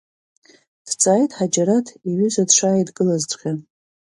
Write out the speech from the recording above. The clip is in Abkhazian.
Дҵааит Ҳаџьараҭ иҩыза дшааидгылазҵәҟьа.